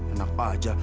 enak apa aja